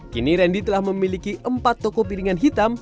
kini randy telah memiliki empat toko piringan hitam